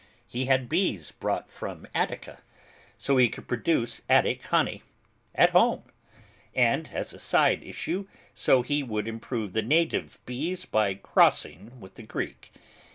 He had bees brought from Attica, so he could produce Attic honey at home, and, as a side issue, so he could improve the native bees by crossing with the Greek.